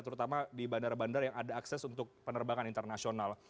terutama di bandara bandara yang ada akses untuk penerbangan internasional